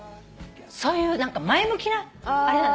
そういう何か前向きなあれなの。